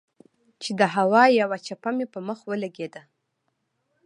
چې د هوا يوه چپه مې پۀ مخ ولګېده